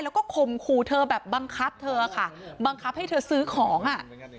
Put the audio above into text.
แล้วก็ข่มขู่เธอแบบบังคับเธอค่ะบังคับให้เธอซื้อของอ่ะ